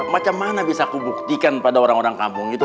bagaimana bisa aku buktikan pada orang orang kampung itu